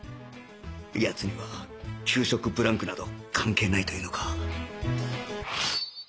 奴には給食ブランクなど関係ないというのか？